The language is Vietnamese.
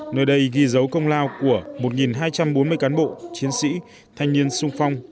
nơi đây ghi dấu công lao của một hai trăm bốn mươi cán bộ chiến sĩ thanh niên sung phong